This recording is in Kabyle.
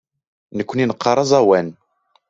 Nekkni neqqar aẓawan.